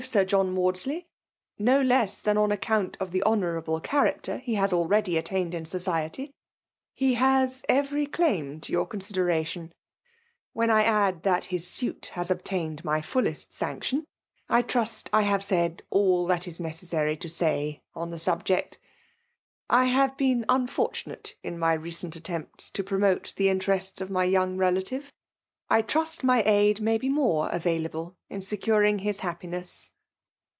Sir Joha Maudsley, no less than on acoount of the honourable character he has already attained in society^ he has every claim to your con sideration : when I add that his suit has ob tained my fullest sanction, I trust I have said all that is necessary to say on the subject. I have been unfortunate in my recent attempts to promote the interests of my young relative; I trust my aid may be more available in se curing his happiness."